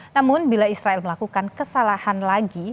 namun bila israel melakukan kesalahan lagi